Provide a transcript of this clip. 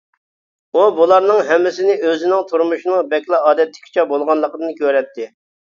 ئۇ بۇلارنىڭ ھەممىسىنى ئۆزىنىڭ تۇرمۇشىنىڭ بەكلا ئادەتتىكىچە بولغانلىقىدىن كۆرەتتى.